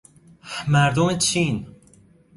مردم چین